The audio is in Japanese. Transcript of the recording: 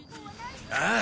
ああ。